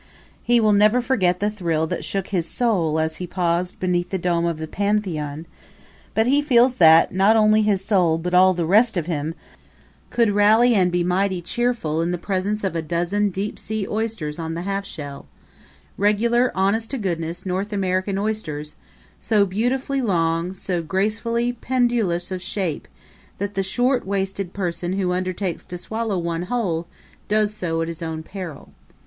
He will never forget the thrill that shook his soul as he paused beneath the dome of the Pantheon; but he feels that, not only his soul but all the rest of him, could rally and be mighty cheerful in the presence of a dozen deep sea oysters on the half shell regular honest to goodness North American oysters, so beautifully long, so gracefully pendulous of shape that the short waisted person who undertakes to swallow one whole does so at his own peril.